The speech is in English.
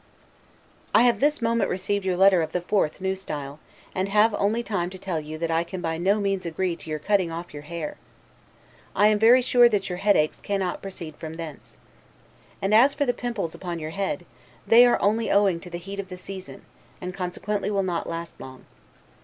I have this moment received your letter of the 4th, N. S., and have only time to tell you that I can by no means agree to your cutting off your hair. I am very sure that your headaches cannot proceed from thence. And as for the pimples upon your head, they are only owing to the heat of the season, and consequently will not last long.